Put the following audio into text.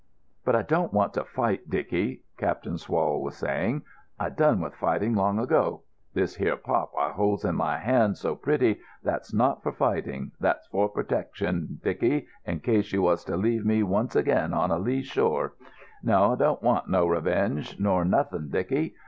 "But I don't want to fight, Dicky," Captain Swall was saying. "I done with fighting long ago. This here pop I holds in my hand so pretty, that's not for fighting; that's for protection, Dicky, in case you was to leave me once again on a lee shore. No, I don't want no revenge nor nothing, Dicky.